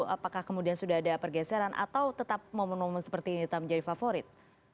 apakah kemudian sudah ada pergeseran atau tetap momen momen seperti ini tetap menjadi favorit